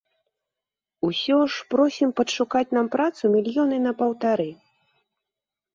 Усё ж просім падшукаць нам працу мільёны на паўтары.